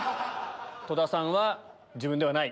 戸田さんは自分ではない。